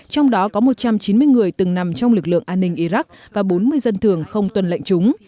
trong đó có một trăm chín mươi người từng nằm trong lực lượng an ninh iraq và bốn mươi dân thường không tuân lệnh chúng